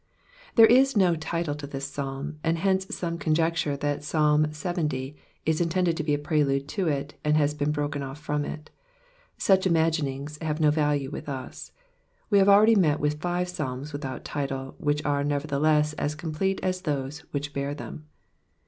There is no tiile to tfUs Psalm, and hence some conjecture that Psalm LXX, is intended to be a prelude to it, and has been broken off from U. tiuch imagitiings have no vcUue with us. We have already met wUh five Psalms without title, ujJiich are, nevertheless, as complete as those xohich bear them.